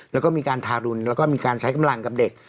แล้วก็มีการทารุณแล้วก็มีการใช้กำลังกับเด็ก